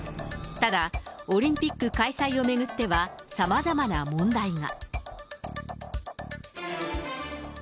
ただ、オリンピック開催を巡っては、さまざまな問題が。